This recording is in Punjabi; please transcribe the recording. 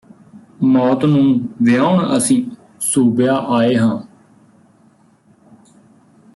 ਮੌਤ ਨੂੰ ਵਿਆਉਣ ਅਸੀਂ ਸੂਬਿਆ ਆਏ ਹਾਂ